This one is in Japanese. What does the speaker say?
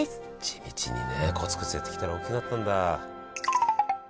地道にねコツコツやってきたら大きくなったんだ。